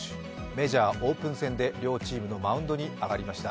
メジャーオープン戦で両チームのマウンドに上がりました。